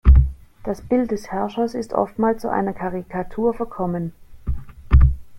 Das Bild des Herrschers ist oftmals zu einer Karikatur verkommen.